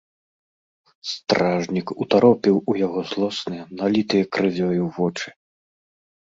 Стражнік утаропіў у яго злосныя, налітыя крывёю вочы.